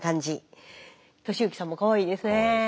敏之さんもかわいいですね。